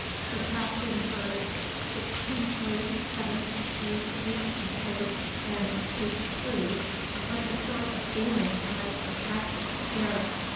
The Captain heard SIXTEENTHLY SEVENTEENTHLY EIGHTEENTHLY and TO CONCLUDE, with a sort of feeling like protracted despair.